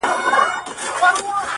حقيقت د سور للاندي ورک کيږي او غلي کيږي